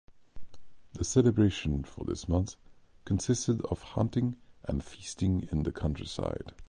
The celebration for this month consisted of hunting and feasting in the countryside.